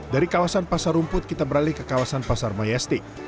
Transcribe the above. dari kawasan pasar rumput kita beralih ke kawasan pasar mayastik